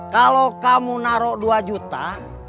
kalau kamu naruh dua juta